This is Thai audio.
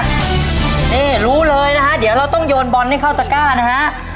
นี่รู้เลยนะฮะเดี๋ยวเราต้องโยนบอลให้เข้าตะก้านะฮะ